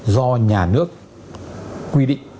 do nhà nước quy định